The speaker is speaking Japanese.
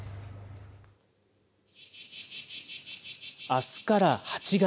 あすから８月。